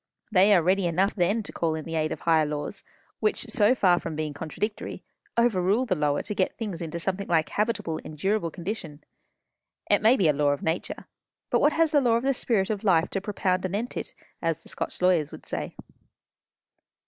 They are ready enough then to call in the aid of higher laws, which, so far from being contradictory, overrule the lower to get things into something like habitable, endurable condition. It may be a law of nature; but what has the Law of the Spirit of Life to propound anent it? as the Scotch lawyers would say."